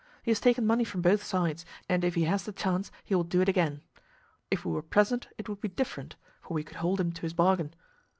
He has taken money from both sides, and if he has the chance he will do it again. If we were present it would be different, for we could hold him to his bargain.